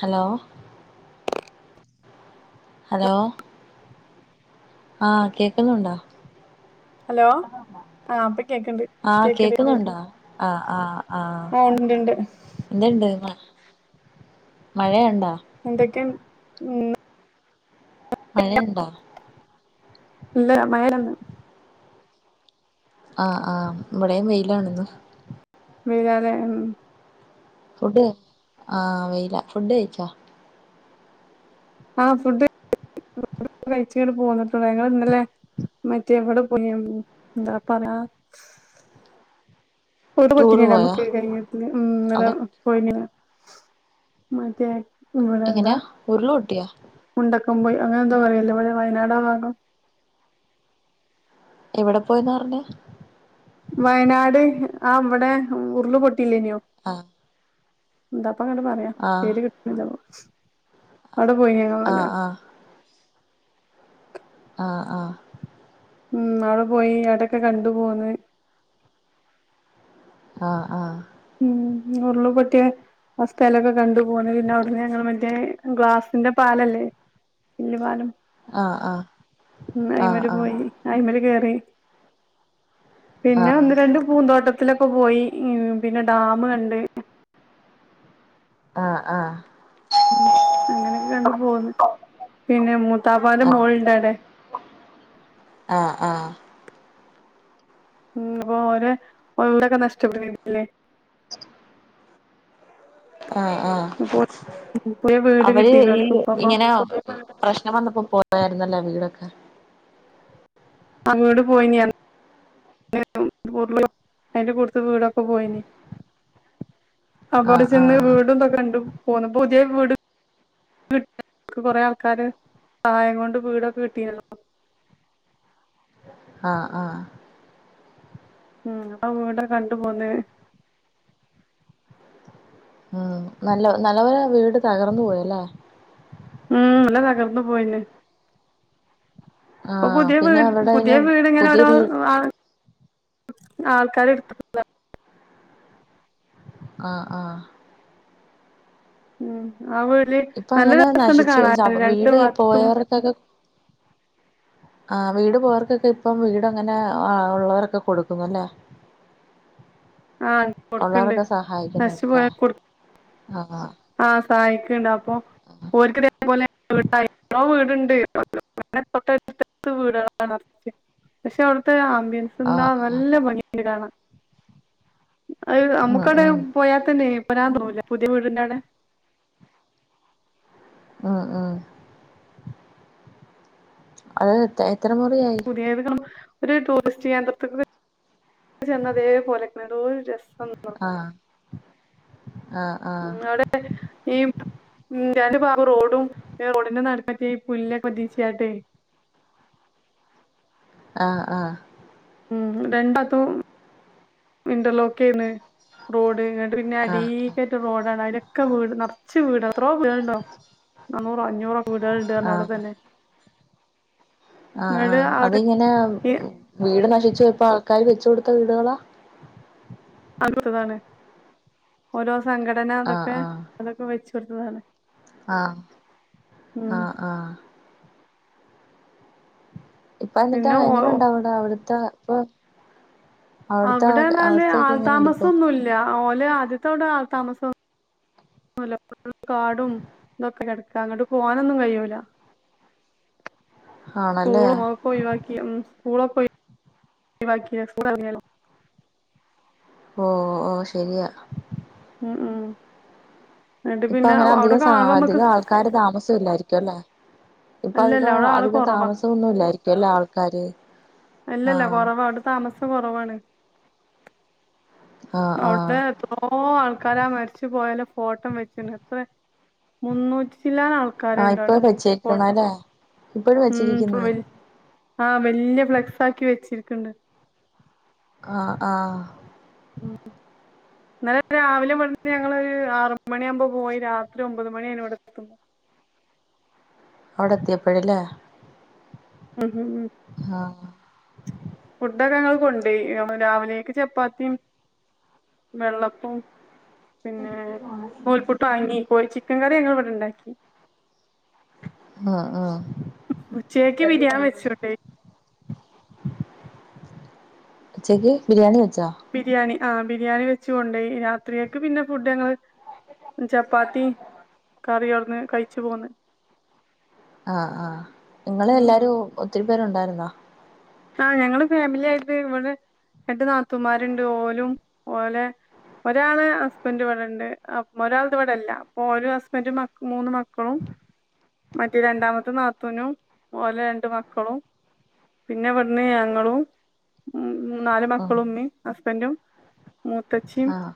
Hello hello ആഹ് കേക്കുന്നുണ്ടോ? Hello ഇപ്പ കേക്കിണ്ട് ആഹ് കേക്ക്ണുണ്ടോ? ആഹ് ആഹ് ആഹ് ആ ഉണ്ട് ഉണ്ട് എന്ത്ണ്ട് മഴയ്ണ്ടോ? എന്തൊക്കെയ ഇന്ന് മഴണ്ടൊ? ഇണ്ട് മഴേന്ന് ആഹ് ആഹ് ഇവ്ടെയ് വെയ്ലാണ്ന്ന് വെയ്ലാലെ ഉം ഫുഡ് ആഹ് വെയില ഫുഡ് കഴിച്ചോ? ആഹ് ഫുഡ് കഴിച്ച്ങ്ങട്ട് പോന്നിട്ടുള്ളൂ ഞങ്ങള് ഇന്നലെ മറ്റേ വടെ പൊയിനു എന്താപറ്യ ഒത് ടൂറ് പോയാ പൊട്ടിയ്നല്ലൊമ്മക്ക് കഴിഞ്ഞത്തി ഉം ന്നലെ അതൊ പോയിന്നില്ല മറ്റെ ഇവ്ടെന്താ എങ്ങനെയാ ഉരുള് പൊട്ടിയാ മുണ്ടക്കംപോയി അങ്ങനെന്തൊ പറ് യല്ലോ ഇവടെ വയനാടാവഗം എവിടെ പോയ്ന്നാർഞ്ഞെ? വയനാട് ആഹ് വെടെ ഉര്ള് പൊട്ടില്ലേ നിയോ ആഹ് എന്താപ്പങ്ങോട്ട് പറയ ആഹ് പേര് കിട്ട്ണ്ല്യ തോന്ന് അവ്ടെ പോയിനാവെലെ ആഹ് ആഹ് ആഹ് ഉം അവ്ടെപോയി അവ്ടൊക്കെ കണ്ട് പോന്ന് ആഹ് ആഹ് ഉം ഉരുള് പൊട്ടിയെ ആസ്ഥലൊക്കെ കണ്ടുപോന്ന് പിന്നെ അവ്ട്ന്ന് ഞങ്ങൾ മറ്റേ ഗ്ലാസ്സിന്റെ പാലല്ലേ ചില്ല്പാലം ആഹ് ഉം ആഹ് ആഹ് അയ്മല് പോയി അയ്മൽ കേറി ആഹ് പിന്നെ ആഹ് ഒന്ന് രണ്ട് പൂന്തോട്ടത്തിലൊക്കെ പോയി പിന്നെ ഡാമ്കണ്ട് ആഹ് ആഹ് ഉം അങ്ങനൊക്കെ കണ്ട് പോന്ന് പിന്നെ മൂത്താപാന്റെ ആഹ് മോള്ണ്ടവ്ടെ ആഹ് ആഹ് ഉം ഓരെ വീടൊക്കെ നഷ്ടപ്പെട്ട്‌ ല്ലെ? ആഹ് ആഹ് അപ്പൊ പുതിയ വീട് അവര് കിട്ടീന് ഈ ഓൽക്ക് ഇപ്പപ്പൊ ഇങ്ങന പ്രശ്നം വന്നപ്പോ പോയായിരുന്നല്ലേ വീടൊക്കെ അഗണ്ട് പോയിന്യാന്ന് അയ്ന്റെ കൂട്ത്ത് വീടൊക്കെ പോയ്നി അപ്പൊടെ ആഹ് ചെന്ന് ആഹ് വീടുംന്തൊക്കെ കണ്ടു പോന്നപ്പോ പുത് യെ വീട് ട്ടക്ക് കൊറെ ആൾക്കാര് സഹായം കൊണ്ട് വീടൊക്കെ കിട്ടിണല്ലൊ. ആഹ് ആഹ് ഉം അപ്പൊ വീടൊക്കെ കണ്ട്പോന്നേ ഉം നല്ല നല്ല പോല വീട് തകർന്നു പോയല്ലേ ഉം നല്ല തകർന്നു പോയ്ണ് ഇപ്പൊ ആഹ് പുതിയ പിന്നെ വീട് അവരുടെ പുതിയ പിന്നെ പുതിയ വീട്ങ്ങനൊരൊ വീ ആഹ് ആൾക്കാര് എടുത്തിട്ട ആഹ് ആഹ് ഉം ആഹ് വീട്ടില് ഇപ്പൊ നല്ല അങ്ങനെ രസണ്ട് നശിച്ചു. കാണാന് ചവറ് രണ്ടു വീട് ഭാഗത്തും പോയോർക്കൊക്കെ. ആ വീട് പോവർക്കൊക്കെ ഇപ്പം വീട് അങ്ങനെ ഉള്ളവരൊക്കെ കൊടുക്കുന്നു. അല്ലേ? ആ കൊടുക്ക്ണ്ട് ഉള്ളവരൊക്കെ സഹായിക്കുന്നുണ്ടല്ലേ? ആഹ് ആഹ്, സഹായിക്ണ്ട് അപ്പൊ. [inaudible] അട്ത്ത് അടുത്ത് വിടുകളാ പക്ഷെ ഓൽക്കൊരു ആബ്യൻ ആഹ് തിന്നാൻ ആഹ് നല്ല അഹ് ഉം നമുക്കൊക്കെ ഉം പോയാതന്നെ [unintelligible] ഉം. ഉം. അത് എ എത്ര മുറിയായി? ടൂറിസ്റ്റ് കേന്ദ്രതിന്ന്. ചെന്നതേപോലെ ക്ണെ. എന്തോരുരസംന്നോ. ആഹ്, ആഹ് ആഹ് അവിടെ ഈ നാല് ഭാഗം റോഡും റോസിൻ്റെ നടക്ക് പുല്ലൊകൊതിച്ചാട്ടെ. ആഹ്, ആഹ് ഉം രണ്ടാത്തും ഇന്റർലോക്ക് ചെയ്ന്ന്? റോഡ് ഇങ്ങട്ട് പിന്നെ ആഹ് അടീക്കെറ്റം റോടാണ്. അയ്ലൊക്കെ വീട് നർച്. കുറച്ച് വീട എത്രോ വീടെളുണ്ടോ? നാന്നൂറോ അഞ്ഞൂറും വീഡെളുണ്ട് പറഞ്ഞു അവിടെ ആഹ് തന്നെ ആഹ്, ഇങ്ങട് ആഹ് അവിടെ അതിങ്ങനെ ഈ വീട് നശിച്ചു ഇപ്പൊ ആൾക്കാര് വെച്കൊടുത്ത വീടുകളാ? അടുത്തതാണ് ഓരോ സംഘടന ആഹ് അതൊക്കെ ആഹ് അതൊക്കെ വെചൊടുത്തതാണ്. ആഹ് ആഹ് ആഹ് ഇപ്പൊ എന്നിട്ടാ പിന്നെ ഓ എങ്ങനുണ്ടവിട അവിടുത്തെ ഇപ്പൊ? അവിടെ എന്നാല് അവസ്ഥയൊക്കെ എങ്ങനെയുണ്ട് ആൾതാമസൊന്നുല്ല. ഓലെ ആദ്യത്ത വീട് ആൾതാമസ കാടും ഇതൊക്കെ കെടക്ക അങ്ങോട്ട് പോവാനൊന്നും കഴിയൂല. ആണല്ലേ സ്കൂള് ഒക്കെ ഒഴിവാക്കി. സ്കൂള് ഒക്കെഴിവാക്കി. ഓഹ്. ഓഹ്. ശരിയാ ഉം. ഉം. എന്നിട്ട് ഇപ്പൊ പിന്നെ അങ്ങനെ അവിടെ അധികം കാണുമ്പോ നമ്മുക്ക് അധികം ആൾക്കാര് താമസം ഇല്ലായിരിക്കും അല്ലെ? ഇപ്പൊ അല്ലല്ല അദികം അവിടെ ആള് അധികം കുറവാ താമസൊന്നുമില്ലായിരിക്കല്ലേ ആൾക്കാര്? അല്ലല്ല ആഹ് കൊറവ അവിടെ താമസം കൊറവാണ്. ആഹ് ആഹ് അവിടെ എത്രോ ആൾക്കാരാ മരിച്ചു പോയോലെ ഫോട്ടം വെച്ചിന് എത്ര മുന്നൂറ്റി ചില്ലാണം ആൾക്കാരുണ്ടവിടെ ഫോട്ടം. ഇപ്പോഴ് വെച്ചിരിക്കുന്ന്. ആഹ്, വല്ല്യ ഫ്ലെക്സാക്കി വെച്ചിരിക്ണ്ട്. ആഹ്, ആഹ് [inaudible] ഇന്നലെ രാവിലെ മുന്പേ ഞങ്ങൾ ഒരു ആറു മണിയാകുമ്പോ പോയി. രാത്രി ഒമ്പത് മണിയായി ഇവിടെതും ഔടെ എത്തിയപ്പഴ്ല്ലേ? ഉം. ഉം. ഉം. ആഹ, ഫുഡൊക്കെ ഞങ്ങൾ കൊണ്ടോയി രാവിലെയക്ക് ചപ്പാതിം. വെള്ളപ്പും പിന്നെ നൂൽപുട്ടും വാങ്ങി പോയി. ചിക്കൻ കറി ഞങ്ങൾ ഇവിടെ ഇണ്ടാക്കി. ആഹ്, ആഹ് ഉച്ചയ്ക്ക് ബിരിയാണി വെച്ചുകൊണ്ടോയി ഉച്ചയ്ക്ക് ബിരിയാണി വെച്ചാ? ബിരിയാണി ആ ബിരിയാണി വെച്ചൊണ്ടോയി. ഈ രാത്രിക്കക്ക് പിന്നെ ഫുഡ് ഞങ്ങൾ. ചപ്പാത്തി കറിന്ന് കഴിച്ചു പോന്ന്. ആഹ്, ആഹ്, ഉം ഉം നിങ്ങളെല്ലാരും ഒത്തിരി പേരുണ്ടായിരുന്നോ? ആ്, ഞങ്ങള് ഫാമിലി ആയിട്ട് ഇവിടെ രട്ട് നാത്തുമാരുണ്ട്. ഓലും ഓലെ ഒരാള് ഹസ്ബന്ഡ ഇവിടെണ്ട് അ ഒരാൾ ഇവിടെല്ല അപ്പൊ ഒരു ഹസ്ബൻഡും മ മൂന്ന് മക്കളും മറ്റേ രണ്ടാമത്തെ നാത്തുനും ഓലെ രണ്ട് മക്കളും പിന്നെ ഇവിടുന്ന് ഞങ്ങളും ഉം നാല് ആഹ് മക്കളും ഉമ്മി ഹസ്ബൻറും മൂത്തച്ചിയും ആഹ്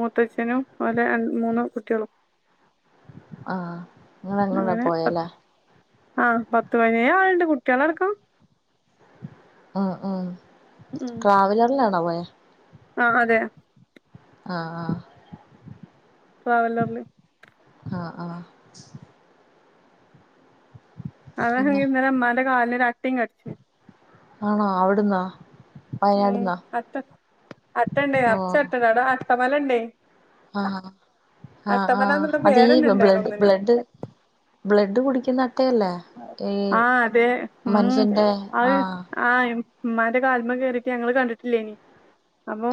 മൂത്തച്ഛനും ഓലെ അ മൂന്ന് കുട്ടികളും ആഹ് ങ്ങളങ്ങുള്ള അങ്ങനെ പ്പോഴല്ലേ ആഹ് പത്ത് പതിനേ ആളുണ്ട് കുട്ടികളടക്കും ഉം ഉം. ഉം ട്രാവലറിലാണോ പോയെ ആഹ് അതെ ആഹ് ആഹ് ട്രാവലറില് ആഹ് ആഹ് എത്താന്നകി പിന്നെ ഇന്നലെ ഉമ്മാന്റെ കാലിന് ഒരു അട്ടേ കടിച്ച് ആണോ അവിടുന്നാ ഉം അട്ട അട്ടണ്ടേയ് ഓഹ് നർച്ചട്ടണ്ട് അവ്ടെ അട്ടമലണ്ടേയ് ആഹ്. ആഹ് ആഹ് അതീ പേരന്നെ ഇണ്ടായിന് ബ്ലഡ് ഒന്നിന് ബ്ലഡ് ബ്ലഡ് കുടിക്കുന്നട്ടയല്ലേ ആഹ് അതെ ഉം അത് ആഹ് ആഹ് ഇമ് മ്മാന്റെ കാൽമെ കേറീട്ട് ഞങ്ങള്ൾകണ്ടിട്ടില്ലേനി അപ്പൊ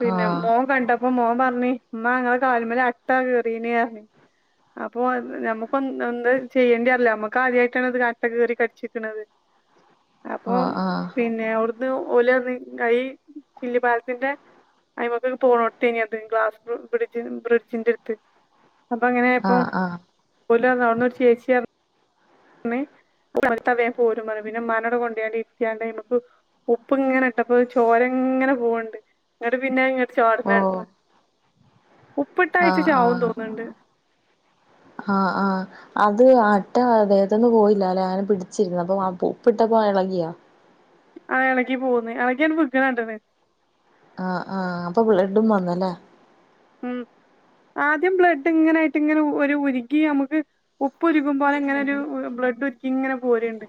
പിന്നെ ആഹ് മോം കണ്ടപ്പോ മോൻ പറഞ്ഞി ഉമ്മ ഇങ്ങളെ കാലിമേല് അട്ട കേറിന് റഞ്ഞ് അപ്പൊ നമുക്ക് എന്ത് ചെയ്യേണ്ടി അറില്ല നമ്മുക്ക് ആദ്യമായി അട്ട കേറി കട്ച്ചിക്കണത് ആഹ് ആഹ് പിന്നെ അവിടുന്ന് ഓല കൈ ചില്ലി പാലത്തിന്റെ അയിമക്ക് പോണോടുത്തേന അത് ഗ്ലാസ്ബ്രി ബ്രിഡ്ജ് ബ്രിഡ്ജിന്റെ അടുത്ത് അപ്പൊ അങ്ങനെപ്പ ആഹ് ആഹ് പോല അവിടന്ന് ചേച്ചിയ പിന്നെ മറ്റ പോരും പറ പിന്നെ ഉമ്മാനെ കൊണ്ടണ്ടി ഇരിക്കണ്ട അയിമ്മേക് ഉപ്പ് ഇങ്ങനെ ട്ടപ്പോയ് ചോരങ്ങനെ പോവ്ണ്ട് ന്നട്ട് പിന്നെ ഇങ്ങോട്ട് ചാടി ഓ [unintelligible] ഉപ്പിട്ട അയിച്ച് ആഹ് ചാവും ആഹ് തോന്നുന്നുണ്ട് ആഹ് ആഹ് അത് അട്ട അദ്ദേഹത്തൊന്നു പോയില്ല അല്ലെ ആനെ പിടിച്ചിരുന്നു അപ്പൊ ഉപ്പിട്ടപ്പോ ഇളകിയാ ആഹ് ഇളകി പോകന്ന് ഇളകി ബുക്ക കാട്ടണ് ആഹ് ആഹ് അപ്പൊ ബ്ലഡും വന്നല്ലേ ഉം ആദ്യം ബ്ലഡ് ഇങ്ങനായിട്ട് ഇങ്ങനെ ഒരു ഉരുകി നമുക്ക് ഉപ്പ് ഉരുക്കും പോലെങ്ങനെ ഒരു ബ്ലഡ് ഇങ്ങനെ പോരുണ്ട്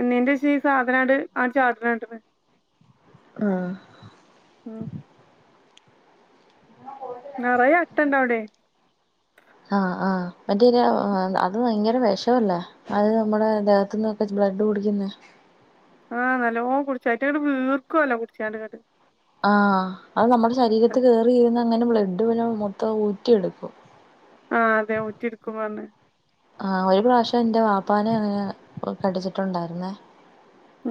എന്നെൻ്റെ ഈ സാധന ആണ്ട് ചാട്ണണ്ട് ആഹ് ഉം [inaudible] നിറയെ അട്ട ഇണ്ട അവിടെ ആഹ് ആഹ് മറ്റേലേ അത് ഭയങ്കര വിഷമല്ലേ അത് നമ്മുടെ ദേഹത്തുന്നൊക്കെ ബ്ലഡ് കുടിക്കുന്നെ ആഹ് നല്ല ഓ കുടിച്ചായിട്ടങ്ങട് വീർക്കുവല്ലോ കുടിച്ചാണ്ട് കത് ആഹ് അത് നമ്മുടെ ശരീരത്ത് കേറി കഴിഞ്ഞ ങ്ങനെ ബ്ലഡ് വല മൊത്തം ഊറ്റിയെടുക്കും ആഹ് അതെ ഊറ്റിട്ക്കും പറഞ്ഞ് ആഹ് ഒരു പ്രാവശ്യം എൻ്റെ വാപ്പാനെ അങ്ങനെ കടിച്ചിട്ടുണ്ടായിരുന്നേ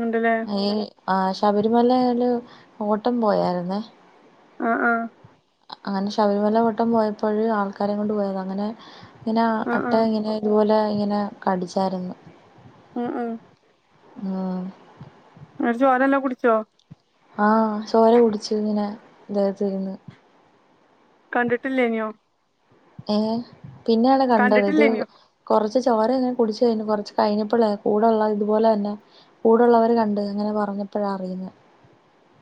ഉണ്ട്ല്ലേ ഈ ആഹ് ശബരിമല ഒരു ഓട്ടം പോയായിരുന്നേ ആഹ് ആഹ് അങ്ങനെ ശബരിമല വട്ടം പോയപ്പോഴ ആൾക്കാരെ കൊണ്ട് പോയത് അങ്ങനെ ഇങ്ങനെ ആഹ് അട്ട ആഹ് ഇങ്ങനെ ഇതുപോലെ ഇങ്ങനെ കടിച്ചായിരുന്നു ഉം ഉം ആഹ് മേടിച്ചു ഓല് തന്നെ കുടിച്ചോ? ആ ചോര കുടിച്ചു ഇങ്ങനെ ദേഹത്തിരുന്ന്. കണ്ടിട്ടില്ലേനോ? ഏ പിന്നെയാണ് കണ്ടത് ഇത് കണ്ടിട്ടില്ലേനിയോ കുറച്ച് ചോര ഇങ്ങനെ കുടിച്ചു കഴിഞ്ഞു കുറച്ച് കഴിഞ്ഞപ്പള്ളേ കൂടെള്ള ഇതുപോലെ തന്നെ കൂടുള്ളവർ കണ്ട് അങ്ങനെ പറഞ്ഞപ്പോഴാണ് അറിയുന്ന.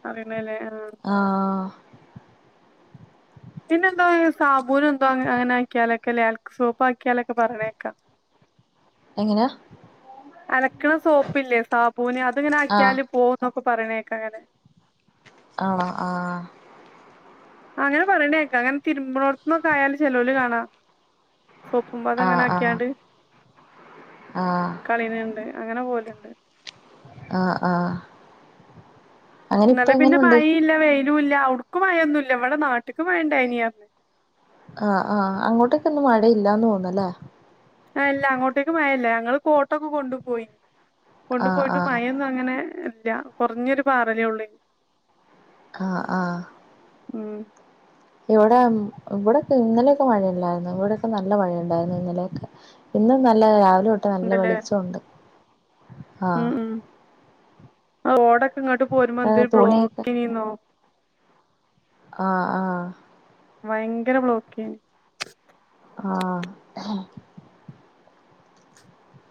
അറിയണേലെ ഉം ആഹ് പിന്നെ എന്തോ സാബൂന എന്തോ അങ്ങനെ ആക്കിയാലൊക്കെ അലക്ക് സോപ്പ് ആക്കിയാലൊക്കെ പറഞ്ഞേക്കാം. എങ്ങനെയാ അലക്കണ സോപ്പില്ലേ സാബൂന് അത്ങ്ങനെ ആഹ് ആക്കിയാല് പോ എന്നൊക്ക പറയണേക്കാ അങ്ങനെ ആണ ആ. അങ്ങനെ പറയണേക്കാ അങ്ങനെ തിരുമ്പോത്തുന്നൊക്കെ ആയാല് ചെലോൽ കാണാ സോപ്പും പത ആഹ് ഇങ്ങനെ ആഹ് ആക്കിയാണ്ട് ആഹ് [unintelligible] അങ്ങനെ പോവലുണ്ട് ആഹ് ആ. ഹ് ഇന്നലെ പിന്നെ എങ്ങനുണ്ട് മഴ ഇല്ല വെയിലും ഇല്ല അവിടക്ക് മഴൊന്നു ഇല്ല ഇവിടെ നാട്ടക്ക് മഴ ഉണ്ടായിനി ആഹ് ആഹ് അങ്ങോട്ടൊക്കെ ഒന്നും മഴയില്ലന്ന് തോന്നല്ലേ? ആ ഇല്ല അങ്ങോട്ടേക്ക് മഴല്ല ഞങ്ങള് കോട്ടൊക്കെ കൊണ്ടു പോയി കൊണ്ടു ആഹ് പോയിട്ട് ആഹ് മയൊന്നും അങ്ങനെ ഇല്ല കുറഞ്ഞൊരു പാറനേള്ളൂ. ആഹ് ആഹ്. ഉം. ഇവിടെ ഇവിടെയൊക്കെ ഇന്നലെയൊക്കെ മഴയുണ്ടായിരുന്നു ഇവിടെയൊക്കെ നല്ല മഴയൂണ്ടായിരുന്നു ഇന്നലെയൊക്കെ. ഇന്നും നല്ല രാവിലെ തൊട്ട് നല്ല ഉണ്ടല്ലേ വെളിച്ചം ഉണ്ട്. ഉം ഉം റോഡൊക്കെ ഇങ്ങോട്ട് പോരുമ്പോ ആഹ് എന്തരു തുണിയൊക്കെ ബ്ലോക്കിനന്നോ? ആഹ് ആഹ് ഭയങ്കര ബ്ലോക്കന്. ആഹ്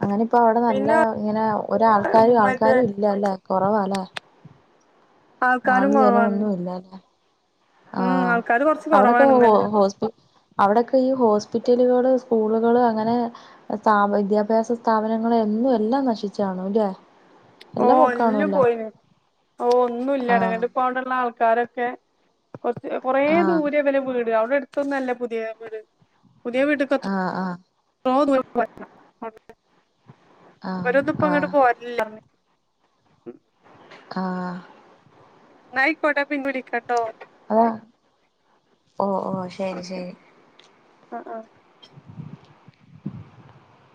അങ്ങനെ ഇപ്പോ അവിടെ നല്ല പിന്നെ ഇങ്ങനെ ഒരാൾക്കാരും മറ്റേ ആൾക്കാരും ഇല്ലല്ലെ കുറവാല്ലെ? ആൾക്കാരും കുറവാണ്. ആ ഉം ആൾക്കാര് കൊറച്ച് അവിടൊക്കെ കുറവാണ് ഇന്നലെ ഹോസ്പി അവിടെക്കെ ഈ ഹോസ്പിറ്റലുകള് സ്കൂളുകള് അങ്ങനെ സ്ഥാ വിദ്യാഭ്യാസ സ്ഥാപനങ്ങളൾ എന്നും എല്ലാം നശിച്ചു കാണുല്ലേ? ഓ എല്ലാം പോയിന് ഓ ഒന്നുല്ല ആഹ് എടങ്ങെടു പോണ്ടുള്ള ആൾക്കാരൊക്കെ കൊറച്ച് കൊറേ ആഹ് ദൂരെ ഇവര വീട് അവിടെ അടുത്തൊന്നും അല്ല പുതിയ വീട് പുതിയ വീടിത്തത്തറ ആഹ് ആഹ്. [unintelligible] അവരൊന്നും ആഹ് ഇപ്പോ ഇങ്ങട്ട് ആഹ് പോരാളില്ലാ ആഹ് എന്ന ആയിക്കോട്ടെ പിന്നെ വിളിക്കാട്ടോ. അതാ ഓ ഓ ശരി ശരി. ആഹ് ആഹ്